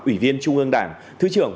ủy viên trung ương đảng thứ trưởng